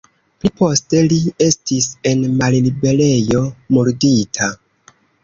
Pli poste li estis en malliberejo murdita.